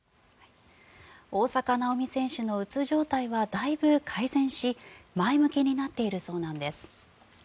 大坂なおみ選手のうつ状態はだいぶ改善し、前向きになっているそうなんです。